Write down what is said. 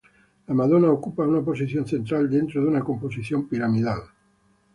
La Madonna ocupa una posición central dentro de una composición piramidal.